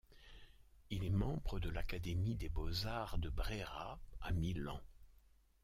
Il est membre de l'Académie des beaux-arts de Brera à Milan.